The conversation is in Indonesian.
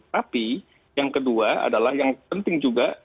tapi yang kedua adalah yang penting juga